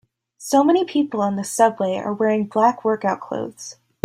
So many people on the subway are wearing black workout clothes.